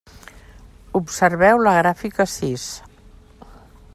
Observeu la gràfica sis.